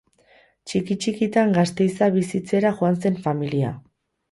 Txiki-txikitan Gasteiza bizitzera joan zen familia.